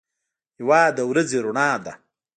هېواد د ورځې رڼا ده.